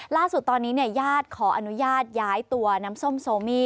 ล่าสุดตอนนี้ญาติขออนุญาตย้ายตัวน้ำส้มโซมี่